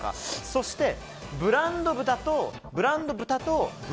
そして、ブランド豚とブランド牛